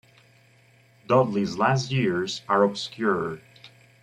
Dudley's last years are obscure.